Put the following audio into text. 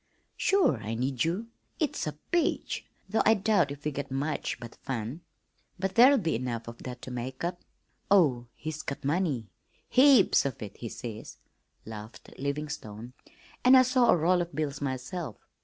"Sure I need you! It's a peach, though I doubt if we get much but fun, but there'll be enough of that to make up. Oh, he's got money 'heaps of it,' he says," laughed Livingstone, "and I saw a roll of bills myself.